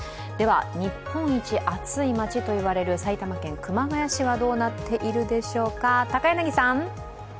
日本一暑い町といわれる埼玉県熊谷市はどうなっているでしょうか。